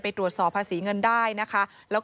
ตรวจสอบภาษีเงินได้นะคะ